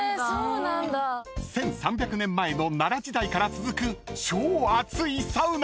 ［１，３００年前の奈良時代から続く超あついサウナ！］